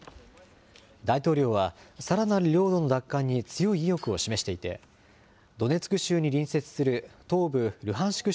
大統領は、さらなる領土の奪還に強い意欲を示していて、ドネツク州に隣接する東部ルハンシク